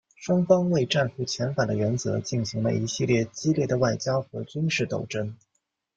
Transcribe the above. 双方为战俘遣返的原则进行了一系列激烈的外交和军事斗争。